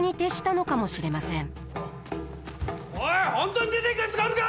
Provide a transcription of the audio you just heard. おい本当に出ていくやつがあるか！